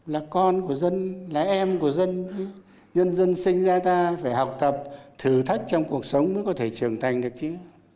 là con của dân là em của dân nhân dân sinh ra ta phải học tập thử thách trong cuộc sống mới có thể trưởng thành được chứ